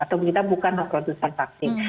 atau kita bukan produsen vaksin